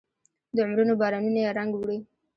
د عمرونو بارانونو یې رنګ وړی